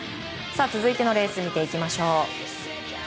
続いてのレース見ていきましょう。